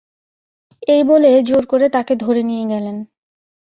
এই বলে জোর করে তাকে ধরে নিয়ে গেলেন।